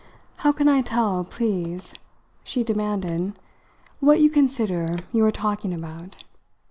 "How can I tell, please," she demanded, "what you consider you're talking about?"